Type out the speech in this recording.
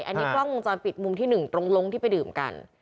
อันนี้กล้องวงจรปิดมุมที่๑ตรงลงที่ไปดื่มกัน